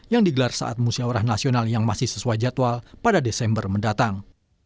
yang digelar saat musyawarah nasional yang masih sesuai jadwal pada desember mendatang